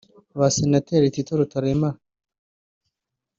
Ba Senateri Tito Rutaremara